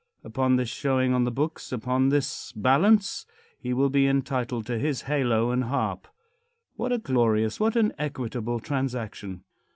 Upon this showing on the books, upon this balance, he will be entitled to his halo and harp. What a glorious, what an equitable, transaction!